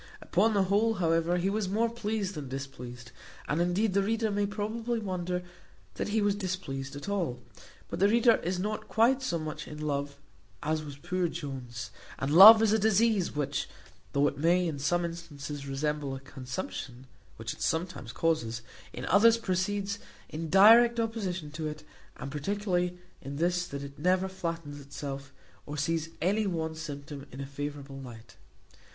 Upon the whole, however, he was more pleased than displeased; and, indeed, the reader may probably wonder that he was displeased at all; but the reader is not quite so much in love as was poor Jones; and love is a disease which, though it may, in some instances, resemble a consumption (which it sometimes causes), in others proceeds in direct opposition to it, and particularly in this, that it never flatters itself, or sees any one symptom in a favourable light.